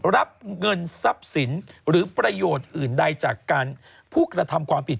รับเงินทรัพย์สินหรือประโยชน์อื่นใดจากการผู้กระทำความผิด